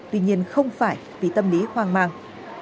tuy nhiên không phải vì tâm lý hoang mang